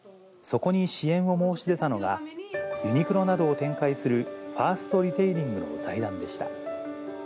そこに支援を申し出たのが、ユニクロなどを展開するファーストリテイリングの財団でした。